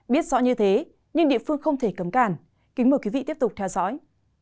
biết rõ như thế nhưng địa phương không thể cấm càn kính mời quý vị tiếp tục theo dõi